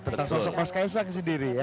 tentang sosok mas kaisang sendiri ya